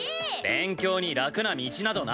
勉強に楽な道などない。